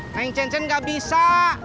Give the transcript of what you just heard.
neng cencen gak bisa